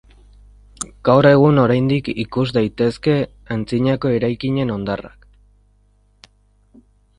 Gaur egun oraindik ikus daitezke antzinako eraikinen hondarrak.